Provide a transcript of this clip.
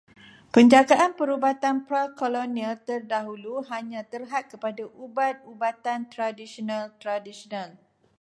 Penjagaan perubatan pra-kolonial terdahulu hanya terhad kepada ubat-ubatan tradisional tradisional.